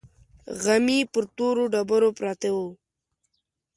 غمي پر تورو ډبرو پراته وو.